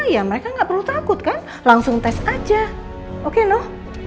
ya mereka nggak perlu takut kan langsung tes aja oke nu